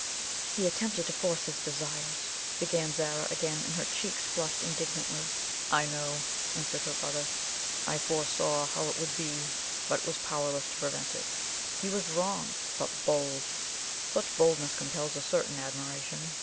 "He attempted to force his desires," began Zara again, and her cheeks flushed indignantly. "I know," answered her brother. "I foresaw how it would be, but was powerless to prevent it. He was wrong but bold! Such boldness compels a certain admiration.